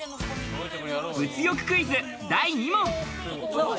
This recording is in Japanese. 物欲クイズ第２問。